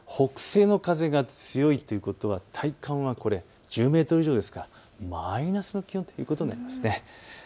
北西の風が強いということは体感は１０メートル以上ですからマイナスの気温ということになります。